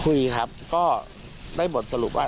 คุยครับก็ได้บทสรุปว่า